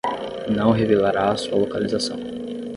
Não revelará sua localização